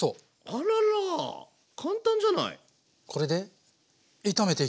あらら簡単じゃない。